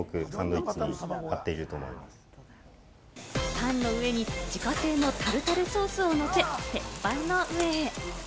パンの上に自家製のタルタルソースをのせ、鉄板の上へ。